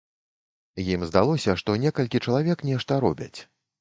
Ім здалося, што некалькі чалавек нешта робяць.